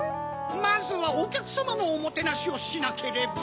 まずはおきゃくさまのおもてなしをしなければ。